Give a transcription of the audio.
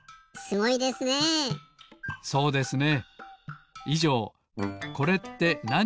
そうですね。